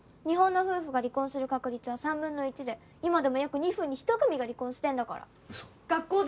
日本の夫婦が離婚する確率は３分の１で今でも約２分に１組が離婚してんだから。